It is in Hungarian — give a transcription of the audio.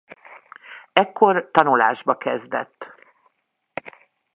Ekkor tanulásba kezdett.